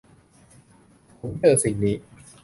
ผมเจอสิ่งนี้